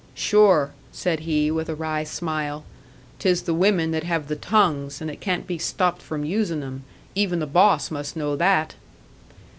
"Sure," said he, with a wry smile, "'tis the women that have the tongues, and that can't he stopped from usin' them. Even the boss must know that."